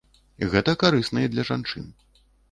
Гэта карысна і для жанчын.